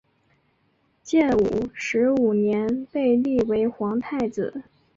建武十五年被立为皇太子。